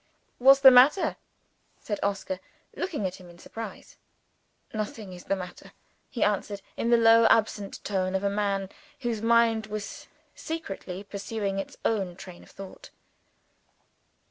"What's the matter?" said Oscar, looking at him in surprise. "Nothing is the matter," he answered, in the low absent tone of a man whose mind was secretly pursuing its own train of thought.